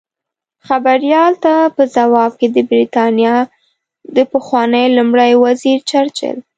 خبریال ته په ځواب کې د بریتانیا د پخواني لومړي وزیر چرچل